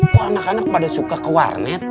kok anak anak pada suka ke warnet